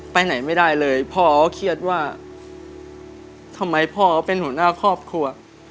ไปไหนไม่ได้เลยพ่อก็เครียดว่าทำไมพ่อเขาเป็นหัวหน้าครอบครัว